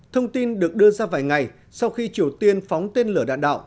thông tin được đưa ra vài ngày sau khi triều tiên phóng tên lửa đạn đạo